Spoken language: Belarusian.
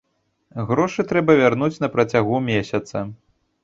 Грошы трэба вярнуць на працягу месяца.